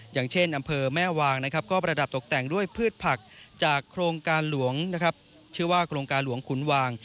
อย่างเช่นอำเภอแม่วางก็ประดับตกแต่งด้วยพืชผักจากโครงการหลวงคุณวาง